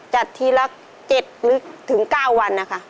จัดทีละ๗หรือถึง๙วันนะคะ